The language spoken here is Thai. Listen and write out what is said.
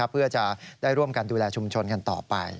เพื่อจะได้ร่วมกันดูแลชุมชนกันต่อไป